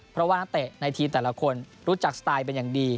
เพราะว่านักเตะในทีมแต่ละคนรู้จักสไตล์เป็นอย่างดี